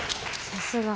さすが。